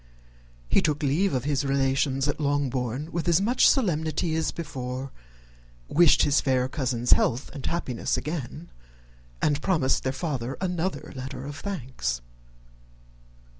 He took leave of his relations at Longbourn with as much solemnity as before; wished his fair cousins health and happiness again, and promised their father another letter of thanks.